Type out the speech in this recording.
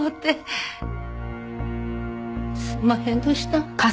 すんまへんどした。